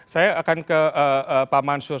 saya akan ke pak mansur